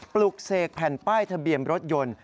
ปลุกเสกแผ่นป้ายทะเบียนรถยนต์